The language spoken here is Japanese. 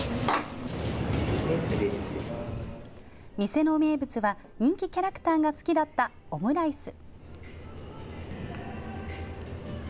店の名物は人気キャラクターが好きだったオムライス。